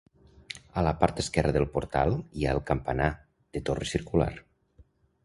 A la part esquerra del portal hi ha el campanar, de torre circular.